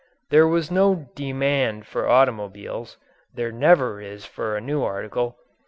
There was no "demand" for automobiles there never is for a new article.